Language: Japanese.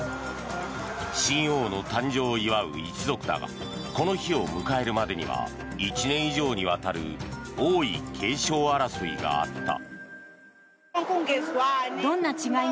新王の誕生を祝う一族だがこの日を迎える間には１年以上にわたる王位継承争いがあった。